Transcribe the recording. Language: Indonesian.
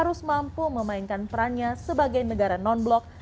harus mampu memainkan perannya sebagai negara non blok